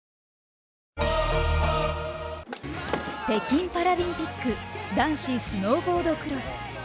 北京パラリンピック、男子スノーボードクロス。